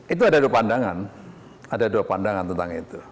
itu ada dua pandangan ada dua pandangan tentang itu